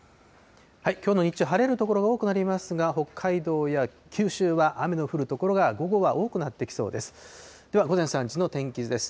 きょうの日中、晴れる所が多くなりますが、北海道や九州は雨の降る所が、午後は多くなってきそうです。